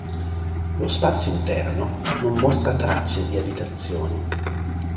Lo spazio interno non mostra tracce di abitazioni.